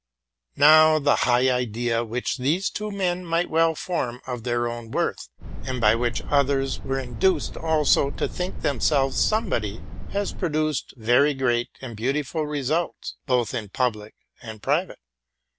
Now, the high idea which these two men might well form of their own worth, and by which others were induced also to think well of themselves, has produced very great and beautiful results, both in public and private.